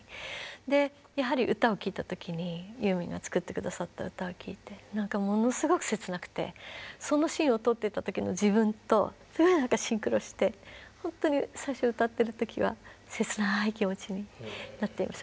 でやはり歌を聴いた時にユーミンが作って下さった歌を聴いて何かものすごく切なくてそのシーンを撮っていた時の自分とすごい何かシンクロしてほんとに最初歌ってる時は切ない気持ちになっていました。